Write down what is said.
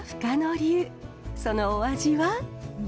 そのお味は。